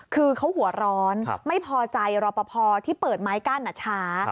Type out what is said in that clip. คือเขาหัวร้อนไม่พอใจรอปภที่เปิดไม้กั้นช้า